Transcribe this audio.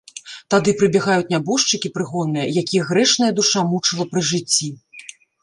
Тады прыбягаюць нябожчыкі прыгонныя, якіх грэшная душа мучыла пры жыцці.